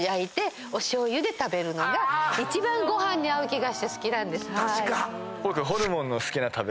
一番ご飯に合う気がして好きなんです。